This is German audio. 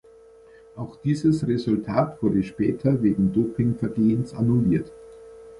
Auch dieses Resultat wurde später wegen Dopingvergehens annulliert.